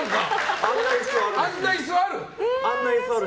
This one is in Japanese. あんな椅子もある？